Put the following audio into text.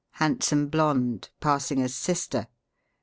Handsome blonde. Passing as sister.